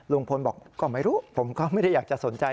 ลุงพลบอกก็ไม่รู้ผมก็ไม่ได้อยากจะสนใจ